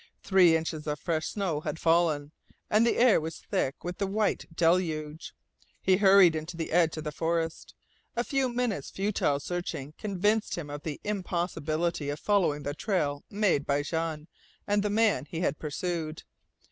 Three inches of fresh snow had fallen, and the air was thick with the white deluge. He hurried into the edge of the forest. A few minutes futile searching convinced him of the impossibility of following the trail made by Jean and the man he had pursued.